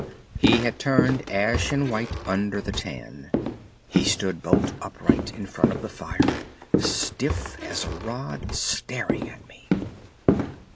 He had turned ashen white under the tan. He stood bolt upright in front of the fire, stiff as a rod, staring at me.